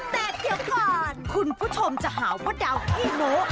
แต่เดี๋ยวก่อนคุณผู้ชมจะหาว่าดาวขี้โน้